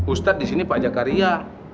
ustadz di sini pak jakaria